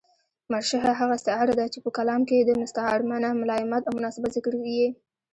مرشحه هغه استعاره ده، چي په کلام کښي د مستعارمنه ملایمات اومناسبات ذکر يي.